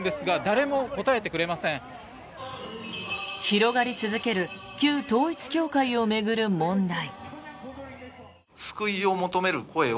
広がり続ける旧統一教会を巡る問題。